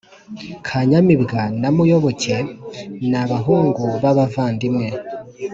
Kanyamibwa na Muyoboke ni abahungu b’abavandimwe